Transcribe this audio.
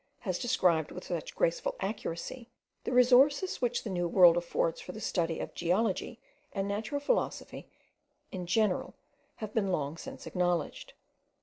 has described with such graceful accuracy, the resources which the New World affords for the study of geology and natural philosophy in general have been long since acknowledged.